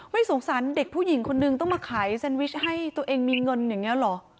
ไม่สงสารเด็กผู้หญิงคนนึงต้องมาขายแซนวิชให้ตัวเองมีเงินอย่างนี้เหรอ